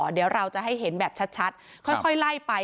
เดี๋ยวเราจะให้เห็นแบบชัดค่อยไล่ไป